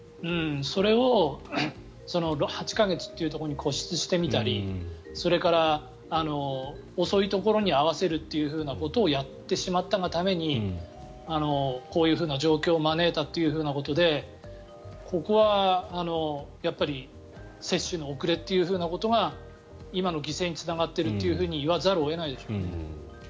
それを８か月というところに固執してみたりそれから、遅いところに合わせるということをやってしまったがためにこういうふうな状況を招いたということでここはやっぱり接種の遅れということが今の犠牲につながっていると言わざるを得ないですね。